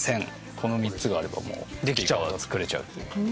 この３つがあればもうスピーカーは作れちゃうという。